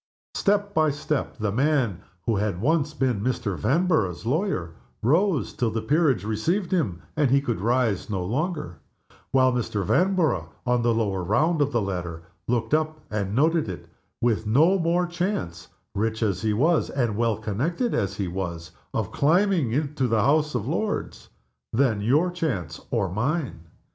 Step by step the man who had once been Mr. Vanborough's lawyer rose, till the peerage received him, and he could rise no longer; while Mr. Vanborough, on the lower round of the ladder, looked up, and noted it, with no more chance (rich as he was and well connected as he was) of climbing to the House of Lords than your chance or mine.